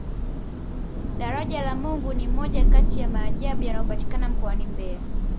daraja la mungu ni moja Kati ya maajabu yanayopatikana mkoani mbeya